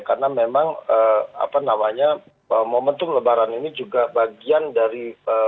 karena memang momentum lebaran ini juga bagian dari